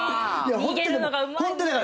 逃げるのがうまい。